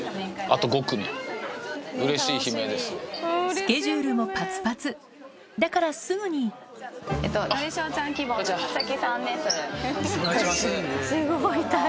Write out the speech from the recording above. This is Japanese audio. スケジュールもパツパツだからすぐにお願いします。